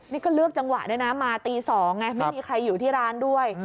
นี่ก็เลือกจังหวะด้วยนะมาตี๒ไงไม่มีใครอยู่ที่ร้านด้วย